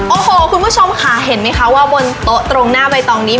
โอ้โหคุณผู้ชมค่ะเห็นไหมคะว่าบนโต๊ะตรงหน้าใบตองนี้